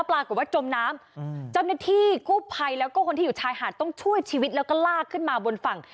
ปรากฏว่าจมน้ำเจ้าหน้าที่กู้ภัยแล้วก็คนที่อยู่ชายหาดต้องช่วยชีวิตแล้วก็ลากขึ้นมาบนฝั่ง